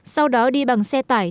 sau đó đi bằng xe tải